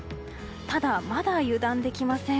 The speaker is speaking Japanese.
ただ、まだ油断できません。